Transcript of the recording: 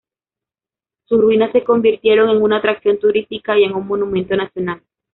Sus ruinas se convirtieron en una atracción turística y en un Monumento Nacional.